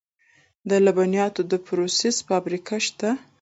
د لبنیاتو د پروسس فابریکې شته